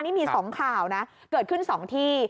นี่มีสองข่าวนะเกิดขึ้นสองที